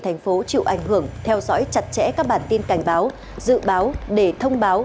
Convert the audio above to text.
thành phố chịu ảnh hưởng theo dõi chặt chẽ các bản tin cảnh báo dự báo để thông báo